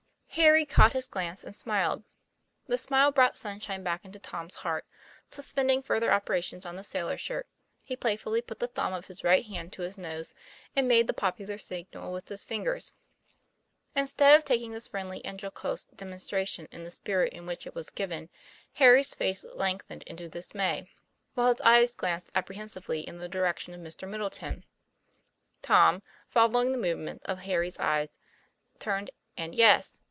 Harry caught his glance and smiled. The smile brought sunshine back into Tom's heart; suspending further operations on the sailor shirt, he playfully put the thumb of his right hand to his nose, and made the popular signal with his fingers. Instead of taking this friendly and jocose demon stration in the spirit in which it was given, Harry's face lengthened into dismay, while his eyes glanced apprehensively in the direction of Mr. Middleton. Tom, following the movement of Harry's eyes, turned and yes!